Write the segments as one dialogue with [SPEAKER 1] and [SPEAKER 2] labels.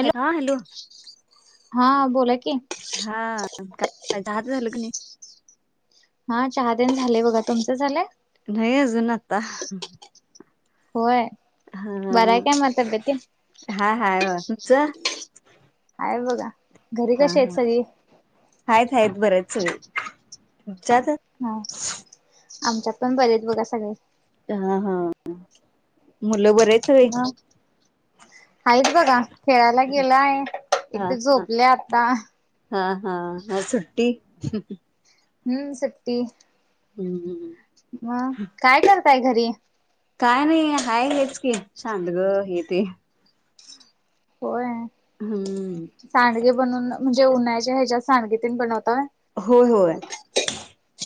[SPEAKER 1] हा हॅलो!
[SPEAKER 2] हा बोला की
[SPEAKER 1] हा काय चहा तेन झालं की नाही?
[SPEAKER 2] हा चहातेण झालेय, बघा तुमचं झालंय?
[SPEAKER 1] नाही अजून आता
[SPEAKER 2] होय.
[SPEAKER 1] हा
[SPEAKER 2] बरं आहे काय म तब्ब्येत तेन?
[SPEAKER 1] हाय हाय होय. तुमचं
[SPEAKER 2] हाय बघ. त्या
[SPEAKER 1] हा हा हाईत हाईत बरायत. स चाचं
[SPEAKER 2] हा आमच्यात पण बरेेत बघा सगळे.
[SPEAKER 1] हा हा मुलं बरेत.
[SPEAKER 2] म हाईत बघा, खेळायला गेलाय,
[SPEAKER 1] हा
[SPEAKER 2] एकटी
[SPEAKER 1] हा
[SPEAKER 2] झोपल्या आता.
[SPEAKER 1] हा हा ह सुट्टी
[SPEAKER 2] हम्म सुट्टी.
[SPEAKER 1] हम्म.
[SPEAKER 2] म काय कर ताय घरी
[SPEAKER 1] काय नाही, हाय हेच की. सांडगं हे ते.
[SPEAKER 2] होय.
[SPEAKER 1] हम्म
[SPEAKER 2] सांडगे बनून म्हणजे उन्हायच्या ह्याच्या सांडगी तेन बनवतो. होय,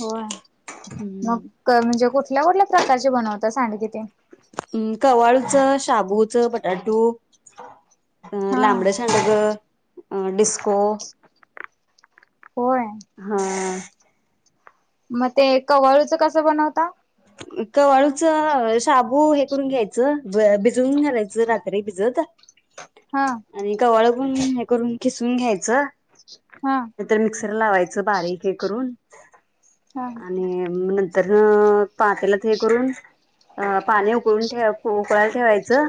[SPEAKER 2] होय,
[SPEAKER 1] हम्म
[SPEAKER 2] मग म्हणजे कुठल्या-कुठल्या प्रकारची. प्रकारची बनवता सांडगी तेन.
[SPEAKER 1] हम्, कवाळूचं, शाबूचं, बटाटू. अ
[SPEAKER 2] हा
[SPEAKER 1] लांबडं सांडग. डिस्को.
[SPEAKER 2] होय.
[SPEAKER 1] हा.
[SPEAKER 2] मग ते कवळूचं कसं बनवता.
[SPEAKER 1] कवाळूच शाबू हे करून घ्यायचं भिजवून घालायचं रात्री भिजत.
[SPEAKER 2] हा
[SPEAKER 1] आणि कवाळू. पण हे करून खिसून घ्यायचं.
[SPEAKER 2] हा
[SPEAKER 1] नाहीतर मिक्सर लावायचं बारीक हे करून
[SPEAKER 2] हा
[SPEAKER 1] आणि मं नंतर. नंतरन. पातेल्यात हे करून पाणी उकळून ठे उकळायला ठेवायचं,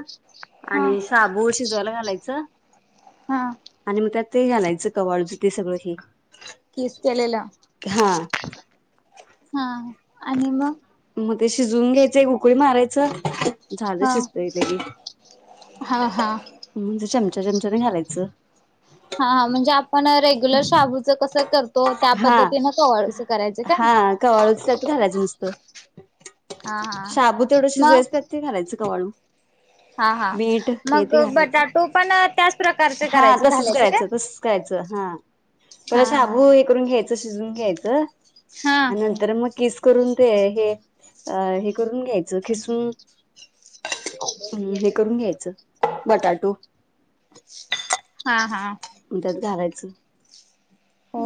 [SPEAKER 1] आणि शाबू शिजवायला घालायचं.
[SPEAKER 2] हां.
[SPEAKER 1] आणि मग त्यात ते घालायचं कवाळूच ते सगळं हे.
[SPEAKER 2] खीस केलेला
[SPEAKER 1] हा
[SPEAKER 2] हां आणि मग
[SPEAKER 1] मग ते शिजवून घ्यायचेय उकळी मारायच च झालं
[SPEAKER 2] हा
[SPEAKER 1] शिजतंय ते घे
[SPEAKER 2] हा हा
[SPEAKER 1] म्हणजे चम त्या चमचाने घालायचं.
[SPEAKER 2] हा हा म्हणजे आप पण रेग्युलर शाबूचं कसं कर
[SPEAKER 1] हा हा कवाळूच घालायचं नुसतं,
[SPEAKER 2] हा हा
[SPEAKER 1] शाबू तेवढ
[SPEAKER 2] मग
[SPEAKER 1] शिजयसतत ते घालायचं कवाळू.
[SPEAKER 2] हा हा
[SPEAKER 1] मीठ हे
[SPEAKER 2] मग
[SPEAKER 1] ते घालायचं
[SPEAKER 2] बटाटू पण त्याच प्रकारचे
[SPEAKER 1] हा
[SPEAKER 2] करायच
[SPEAKER 1] तसच
[SPEAKER 2] घालायच काय?
[SPEAKER 1] करायचं तसच करायचं हा पहिला
[SPEAKER 2] हा हा.
[SPEAKER 1] शाबू हे करून घ्यायचं शिजून घ्याय चं आ नंतर मग खीस करून ते हे अ हे करून घ्यायचं खिसून हे करून घ्यायचं बटाटू
[SPEAKER 2] हा हा हा.
[SPEAKER 1] त्यात घालायचं.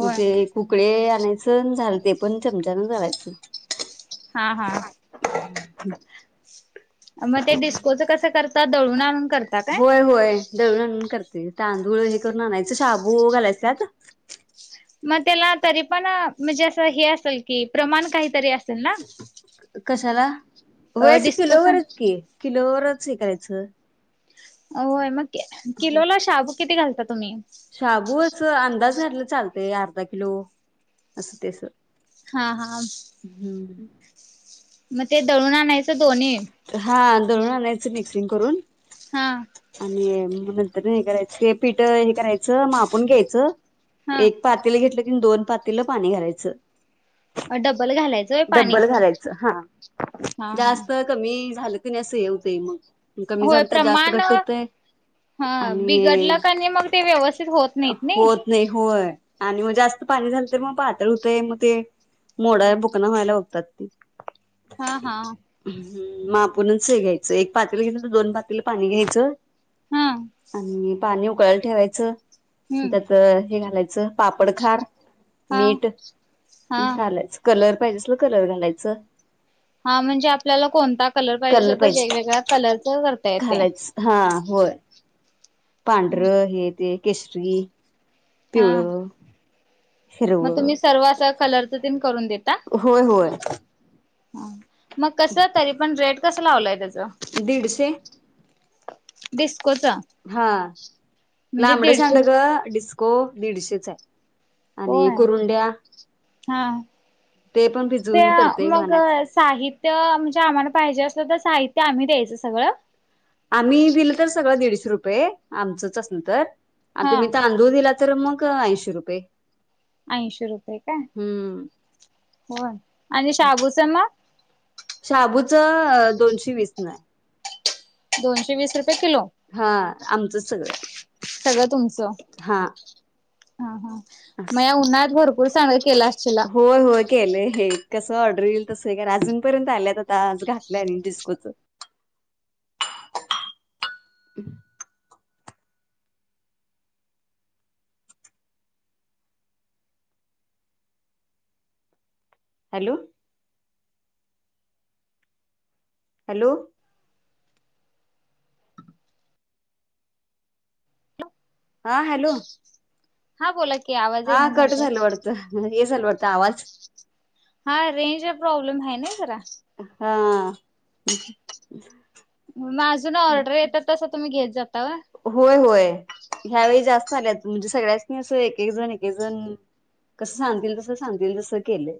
[SPEAKER 1] उ ते कुकळे अन यायच अन झाल ते पण चमचान घालायचं
[SPEAKER 2] हा हा.
[SPEAKER 1] [unintelligible]
[SPEAKER 2] अन मग ते डिस्कोचं कस करत ता दळून आणू
[SPEAKER 1] होय होय. दळून आणून कर ते तांदूळ हे करून आणायचं, शाबू घालायचं त्यात.
[SPEAKER 2] मग त्याला तरी पण, म्हणजे, अस हे असल की, प्रमाण काहीतरी असलं ना?
[SPEAKER 1] कशाला? व्हय
[SPEAKER 2] अ
[SPEAKER 1] असं
[SPEAKER 2] डिस्को
[SPEAKER 1] किलोवर
[SPEAKER 2] सा
[SPEAKER 1] हायेत की, किलोवरत स्वीकारायचं.
[SPEAKER 2] अ व्हय ना किलोला शाबू किती घालतात? तुमी.
[SPEAKER 1] असं. अंदाजे घातलं चालतंय. अर्धा किलो, असं ते असं
[SPEAKER 2] हा, हा. म ते दळून आणायचं दोन्ही
[SPEAKER 1] हा. दळून आणायच मिक्सिंग करून
[SPEAKER 2] हा.
[SPEAKER 1] आणि म नंतर काय करायच हे पीठ हे करायच मापून घ्यायचं
[SPEAKER 2] हा
[SPEAKER 1] एक पातेलं घेतलं आणि दोन पातेलं पानी घालायचं.
[SPEAKER 2] डबल घालायचं होय पाणी
[SPEAKER 1] डब्ब्ल घालायचं. हा,
[SPEAKER 2] हा हा
[SPEAKER 1] जास्त, कमी झालं [unintelligible] असं हे व्हते मग कमी
[SPEAKER 2] होय
[SPEAKER 1] झाल तर जास्त
[SPEAKER 2] प्रमाण
[SPEAKER 1] घट्ट होतंय
[SPEAKER 2] हा,
[SPEAKER 1] आणि
[SPEAKER 2] बिघडलं कां नाही, मग ते व्यवस्थित होत नाहीत. नै?
[SPEAKER 1] नाही होय आणि मग जास्त पाणी झालं तर मग पातळ होतय म ते मोडायला भुकणं व्हायला होतात ते
[SPEAKER 2] हा हा.
[SPEAKER 1] हं मापूनच हे घ्यायचं हाय, एक पातेलं घेतलं तर दोन पातेलं पानी घायच
[SPEAKER 2] हा.
[SPEAKER 1] पानी उकळाला ठेवायचं.
[SPEAKER 2] हम्म
[SPEAKER 1] त्यात हे घालाय च पापडखार,
[SPEAKER 2] हा
[SPEAKER 1] मीठ
[SPEAKER 2] हा
[SPEAKER 1] घालायचं. कलर पायजे असलं कलर घालायच
[SPEAKER 2] हा म्हणजे आपल्याला कोनता कलर पायजे असला तर जे वेगवेगळ्या कलरच करता येते.
[SPEAKER 1] घालायचं हा होय. पांढरं हे ते केसरी पिवळ
[SPEAKER 2] हा मग तुम्ही सर्व असा कलरच तुम्ही करून देता
[SPEAKER 1] होय होय.
[SPEAKER 2] हम्म. मग कस तरी पण रेड कसं लावलाय त्याच
[SPEAKER 1] दीडशे
[SPEAKER 2] दिस
[SPEAKER 1] हा
[SPEAKER 2] म्हणजे
[SPEAKER 1] लांबडं
[SPEAKER 2] दीडशे
[SPEAKER 1] सांडग डिस हो दीडशेच आणि
[SPEAKER 2] होय
[SPEAKER 1] कुरुंड्या
[SPEAKER 2] हा
[SPEAKER 1] ते पण
[SPEAKER 2] ते
[SPEAKER 1] भिजवून तरतय
[SPEAKER 2] मग
[SPEAKER 1] वाहण्यात.
[SPEAKER 2] साहित्य म्हणजे आम्हाला पाहिजे असलं तर साहित्य आम्ही द्यायचं सगळं.
[SPEAKER 1] आम्ही बिल तर सगळं दीडशे रुपये आमचंच अस ना तर आ
[SPEAKER 2] हा
[SPEAKER 1] तुम्ही तांदू दिला. तर मग ऐंशी रुपये
[SPEAKER 2] ऐंशी रुपये काय
[SPEAKER 1] हम्म.
[SPEAKER 2] होन आणि शाबूचं मग
[SPEAKER 1] शाबूच दोनशे वीस न आहे.
[SPEAKER 2] दोनशे वीस रुपये किलो
[SPEAKER 1] हा आमचंच
[SPEAKER 2] सगळं तुमचं
[SPEAKER 1] हा.
[SPEAKER 2] हा हा मग
[SPEAKER 1] अस
[SPEAKER 2] या उन्हा्हात भरपूर चांग केला असलेला.
[SPEAKER 1] कस ऑर्डर येईल तस आहे का अजूनपर्यंत आल्यात आता आज घातल्या डिस्कोच हॅलो हॅलो हा हॅलो
[SPEAKER 2] हा बोला की आवाज
[SPEAKER 1] हा
[SPEAKER 2] येईना
[SPEAKER 1] कट
[SPEAKER 2] झालता
[SPEAKER 1] झालं पडत. हे सल भरता आवाज
[SPEAKER 2] हा रेंज ला प्रॉब्लेम आहे ना जरा
[SPEAKER 1] हम्
[SPEAKER 2] माझून ना ऑर्डर येतात तसं तुम्ही घेत. जातवा
[SPEAKER 1] होय होय ह्यावेेळी जास्त आल्यात. म्हणजे सगळ्यासनी असं एक एक जण एके जण कस सांगतील तस सांगतील तस केलं.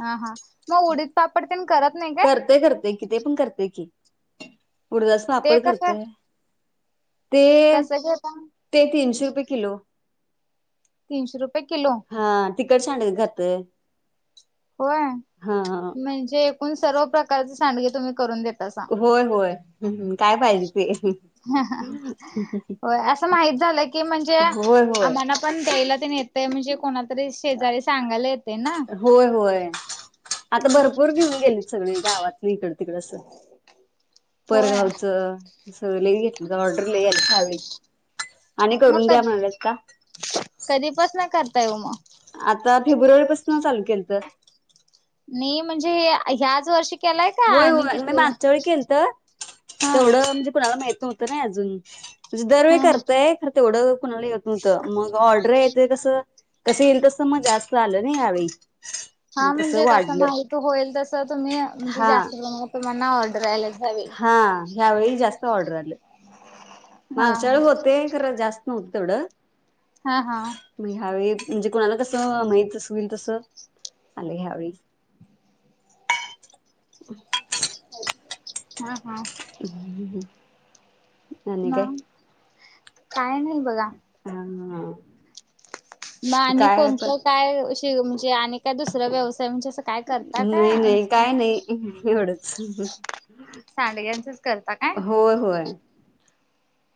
[SPEAKER 2] हा हा मग उडीत पापड तेन करत. नाही काय?
[SPEAKER 1] करते करते. कि ते पण करते. की उडदाच
[SPEAKER 2] ते
[SPEAKER 1] पापड
[SPEAKER 2] कसं
[SPEAKER 1] करते. ते
[SPEAKER 2] कसं घेता?
[SPEAKER 1] ते तीनशे रुपय किलो.
[SPEAKER 2] तीनशे रुप-
[SPEAKER 1] हा तिकट सांडग घातोय.
[SPEAKER 2] होय. म्हणजे उण सर्व प्रकारच सडगे तुम्ही करून दे-
[SPEAKER 1] होय होय. हम हम
[SPEAKER 2] हा हा. होय. असं माहित झालं की म्हणजे,
[SPEAKER 1] होय होय
[SPEAKER 2] आम्हाना पण द्यायला तेन येतय, म्हणजे कोणाला तरी शेजारी सांगायला येतय ना.
[SPEAKER 1] होय होय आता भरपूर घेऊन गेलीत सगळी गावात हिकड तिकड अस.
[SPEAKER 2] होय
[SPEAKER 1] परगावचं. सगळ लयी घेतलीत. ऑर्डर लयी आली ह्या वेळी. आणि
[SPEAKER 2] मग
[SPEAKER 1] करून द्या
[SPEAKER 2] कधी
[SPEAKER 1] म्हणालेत का?
[SPEAKER 2] ताय ओ म?
[SPEAKER 1] आता फेब्रुवारी पसन चालू केलत.
[SPEAKER 2] नाही म्हणजे ह्याच वर्षी केलाय का
[SPEAKER 1] होय
[SPEAKER 2] आणि
[SPEAKER 1] होय. न
[SPEAKER 2] किती
[SPEAKER 1] मागच्या वेळी केलतं,
[SPEAKER 2] हा
[SPEAKER 1] तेवढं म्हणजे कुणाला माहित नव्हत नायी अजून. म्हणजे दरवेळी
[SPEAKER 2] हा
[SPEAKER 1] करतंय, खर तेवढं कुणाला येव- नव्हत. मग ऑर्डर येत- ते कस, कस येईल तस मग जास्त आलं ना यावेळी
[SPEAKER 2] हा
[SPEAKER 1] मग तसं
[SPEAKER 2] म्हणजे कस
[SPEAKER 1] वाढलं
[SPEAKER 2] माहित होईल तस तुम्ही म्हणजे
[SPEAKER 1] हा
[SPEAKER 2] जास्त प्रमाणात तुम्हाना ऑर्डर यायलाच हवी.
[SPEAKER 1] हा ह्यावेळी जास्त ऑर्डर आलं
[SPEAKER 2] हा
[SPEAKER 1] मागच्या वेळी होते खरं जास्त नव्हत तेवढं.
[SPEAKER 2] हा हा
[SPEAKER 1] मी ह्यावेळी म्हणजे कोुणाला कसं माहितच होईल तस आलं ह्यावेळी
[SPEAKER 2] हम हां
[SPEAKER 1] आणि
[SPEAKER 2] ना
[SPEAKER 1] काय
[SPEAKER 2] काय नाही बघा
[SPEAKER 1] हम
[SPEAKER 2] म आणि कोणतं काय म्हे आणि काय दुसरा व्यवसाय म्हणजे काय करता
[SPEAKER 1] नाही नाही काय नाही एवढं ह
[SPEAKER 2] सांड्यांचं
[SPEAKER 1] होय होय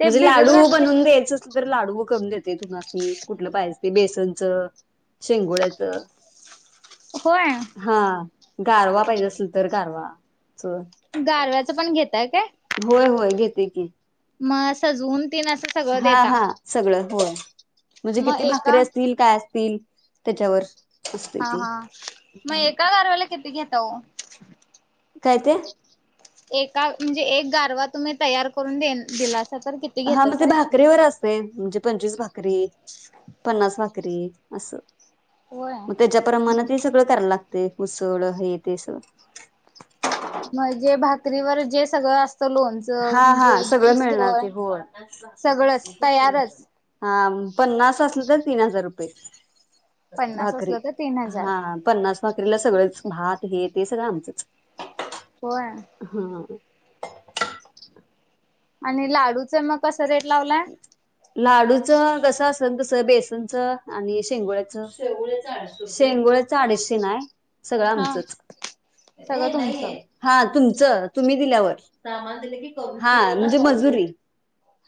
[SPEAKER 2] ते
[SPEAKER 1] म्हणजे
[SPEAKER 2] भिजत
[SPEAKER 1] लाडू
[SPEAKER 2] घातले
[SPEAKER 1] बनवून द्यायचं असल तर लाडू करून देते तुम्हासनी कुठलं पाहिजे ते. बेसनचं, शेंगोळ्याचं
[SPEAKER 2] होय
[SPEAKER 1] हा गारवा पाहिजे असेल तर? गारवा
[SPEAKER 2] गारव्याचंपण घेताय काय?
[SPEAKER 1] होय होय घेते की.
[SPEAKER 2] म सजवून तीन असं सगळं
[SPEAKER 1] हा
[SPEAKER 2] देता
[SPEAKER 1] हा सगळं. होय. म्हणजे
[SPEAKER 2] मग
[SPEAKER 1] किती
[SPEAKER 2] एका
[SPEAKER 1] भाकरीे असतील, काय असतील? त्याच्यावर. असते
[SPEAKER 2] हा
[SPEAKER 1] ती
[SPEAKER 2] हा मग एका गारव्याला किती घे ता हो?
[SPEAKER 1] काय ते?
[SPEAKER 2] एका म्हणजे एक गारवा तुम्ही तयार करून देन दिलात
[SPEAKER 1] हा मग ते भाकरीवर असतंय, म्हणजे पंचवीस भाकरी पन्नास भाक री असं.
[SPEAKER 2] होय
[SPEAKER 1] मग त्याच्या प्रमाणं ते सगळं करा लाग ते ऊसळ, हे ते असं.
[SPEAKER 2] म्हणजे भाकरीवर जे सगळं अस
[SPEAKER 1] हा हा सगळं मिळणार ते होय.
[SPEAKER 2] सगळंच तयारच
[SPEAKER 1] हा पन्नास असलं तर तीन हजार रुपये.
[SPEAKER 2] पन्नास
[SPEAKER 1] भाकरी,
[SPEAKER 2] असलं तर तीन हजार
[SPEAKER 1] हा पन्नास भाकरीला सगळंच. भात हे ते सगळं आमचंच.
[SPEAKER 2] होय
[SPEAKER 1] हा.
[SPEAKER 2] आणि लाडूचं मग कसं रेट लावलाय
[SPEAKER 1] लाडूचं कसं अस सल तसं. बेसनचं आणि शेंगोळ्याचं. शेंगोळ्याचं अडीचशेनं हाय. सगळं
[SPEAKER 2] हा
[SPEAKER 1] आमचच.
[SPEAKER 2] सगळं तुमचं
[SPEAKER 1] हा तुम चं, तुम्ही दिल्यावर. हा म्हणजे मजुरी.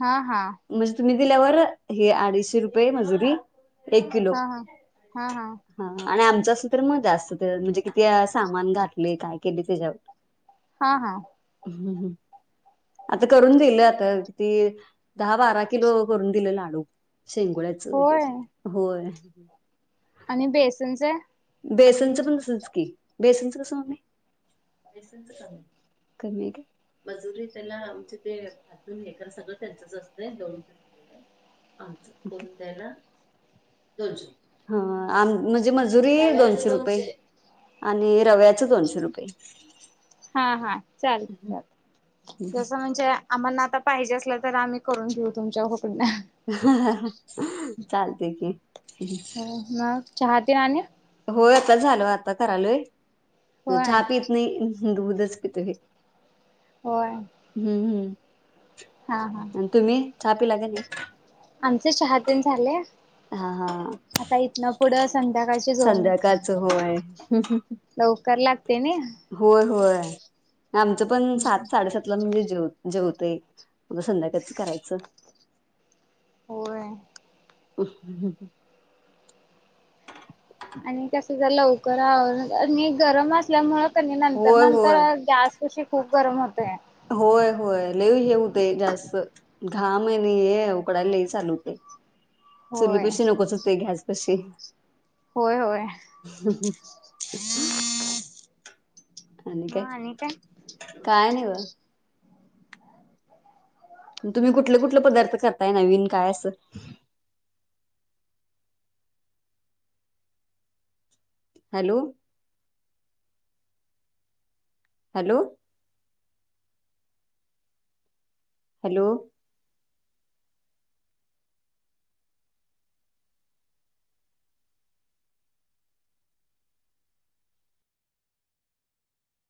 [SPEAKER 2] हा हा.
[SPEAKER 1] म्हणजे तुम्ही दिल्यावर, हे अडीचशे रुपये मजुरी एक किलो
[SPEAKER 2] हा हा
[SPEAKER 1] हा आणि आम तसं तर म जास्त दर. म्हणजे किती वेळा सामान घातले, काय केले त्याच्यावर.
[SPEAKER 2] हा हा
[SPEAKER 1] हम्मम् आता करून दिल आता ती दहा बारा किलो करून दिले लाडू शेंगोळ्या च
[SPEAKER 2] होय
[SPEAKER 1] घेते होय
[SPEAKER 2] आणि बेसनस
[SPEAKER 1] ण क बेसच कसे मजुरी आम हेगळ द द म्हणजे खजुरी दोनशे रुपये आणि रव्याच दोनशे रुपये
[SPEAKER 2] हा हा चाल चाल जस म्हणजे आम्हाना आता पाहिजे असलं तर आम्ही करून घेऊ तुमच्या हुकडन
[SPEAKER 1] चालते की
[SPEAKER 2] चहते ना
[SPEAKER 1] हो आता झाल आता करालय
[SPEAKER 2] होय
[SPEAKER 1] छापी इत नाही दूदच किितु हे
[SPEAKER 2] होय
[SPEAKER 1] हम्म हम्
[SPEAKER 2] हा हा
[SPEAKER 1] आणि तुम्ही छापीलाग नाही
[SPEAKER 2] आमचे चहा दिन झाले
[SPEAKER 1] हा हा
[SPEAKER 2] आता इथन पुढं संध्याकाळची जोडणी
[SPEAKER 1] संध्याकाळचं होय
[SPEAKER 2] लवकर लागते ना
[SPEAKER 1] होय होय आमच पण सात साडेसात ला म्हणजे ेव जेवते त संध्याकाच करायचं
[SPEAKER 2] होय
[SPEAKER 1] [unintelligible]
[SPEAKER 2] आणि त्या लवकर आवर आणि गरम असल्यामुळ नंतर
[SPEAKER 1] होय होय
[SPEAKER 2] नंतर गॅस कशी खूप गरम होतय
[SPEAKER 1] होय होय हे होते जास्त घाम आणि हे लई उकडाय चालू होतंय चुली
[SPEAKER 2] होय
[SPEAKER 1] कशी नकोच होते घ्यास कशी
[SPEAKER 2] होय होय
[SPEAKER 1] आणि काय काय नाही बघा तुम्ही कुठले कुठले पदार्थ खातात काय नवीन काय असं हॅलो हॅलो हॅलो